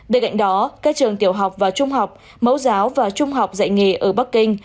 bên cạnh đó các trường tiểu học và trung học mẫu giáo và trung học dạy nghề ở bắc kinh